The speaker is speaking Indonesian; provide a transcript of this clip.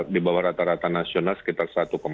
di bawah rata rata nasional sekitar satu satu satu dua satu tiga